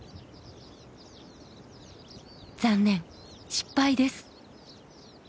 残念失敗です！